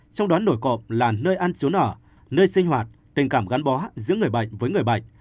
trong đoán nổi cộng là nơi ăn xuống ở nơi sinh hoạt tình cảm gắn bó giữa người bệnh với người bệnh